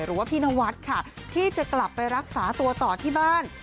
หรือว่าพี่นวัดค่ะที่จะกลับไปรักษาตัวต่อที่บ้าน